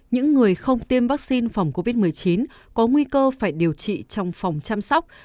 những người không tiêm vaccine phòng covid một mươi chín có nguy cơ phải điều trị trong phòng chăm sóc